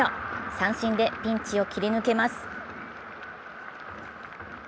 三振でピンチを切り抜けます。